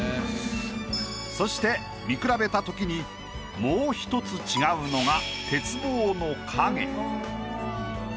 そして見比べた時にもう一つ違うのが。